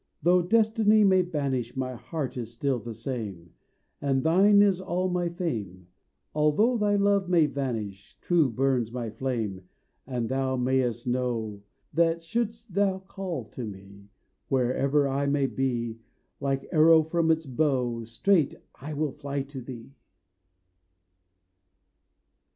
Though destiny may banish, My heart is still the same; And thine is all my fame; Although thy love may vanish, True burns my flame. And, thou mayst know That shouldst thou call to me, Where ever I may be, Like arrow from its bow Straight I will fly to thee.